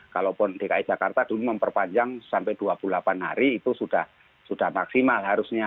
kalaupun dki jakarta dulu memperpanjang sampai dua puluh delapan hari itu sudah maksimal harusnya